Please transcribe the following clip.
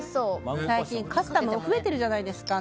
最近、カスタム増えてるじゃないですか。